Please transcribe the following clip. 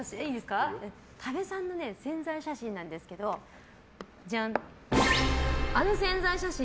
多部さんの宣材写真なんですけどあの宣材写真